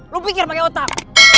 lo pikir pake otak